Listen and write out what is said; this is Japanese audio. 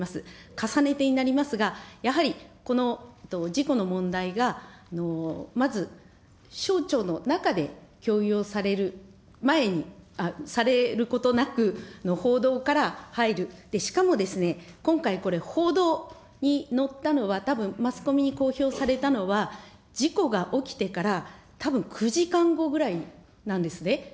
重ねてになりますが、やはりこの事故の問題が、まず省庁の中で共有をされる前に、されることなく、報道から入る、しかもですね、今回、これ報道にのったのは、たぶんマスコミに公表されたのは、事故が起きてからたぶん９時間後ぐらいなんですね。